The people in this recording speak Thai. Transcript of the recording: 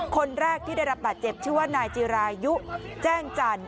คนแรกที่ได้รับบาดเจ็บชื่อว่านายจิรายุแจ้งจันทร์